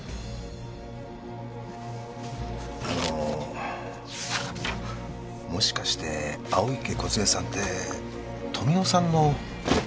あのもしかして青池梢さんって富生さんの。